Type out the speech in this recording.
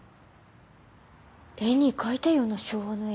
絵に描いたような昭和のエロ親父。